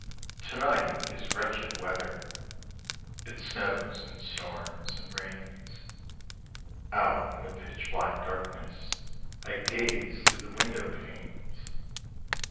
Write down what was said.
To night is wretched weather, It snows, and storms, and rains; Out in the pitch black darkness I gaze through the window panes.